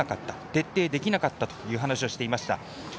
徹底できなかったという話をしていました。